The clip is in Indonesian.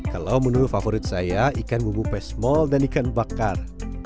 kalau menu favorit saya ikan bubu pesmol dan ikan bakar